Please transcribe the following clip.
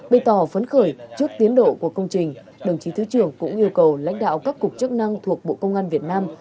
bày tỏ phấn khởi trước tiến độ của công trình đồng chí thứ trưởng cũng yêu cầu lãnh đạo các cục chức năng thuộc bộ công an việt nam